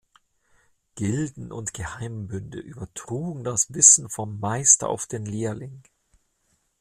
Gilden und Geheimbünde übertrugen das Wissen vom Meister auf den Lehrling.